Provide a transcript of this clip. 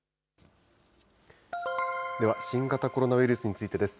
では新型コロナウイルスについてです。